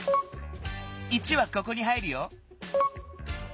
１はここに入るよ。